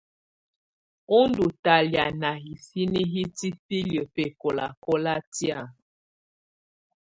U ndù talɛ̀á na hisinǝ hitibilǝ bɛkɔlakɔla tɛ̀á.